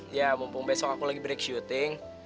ya mumpung besok aku lagi break syuting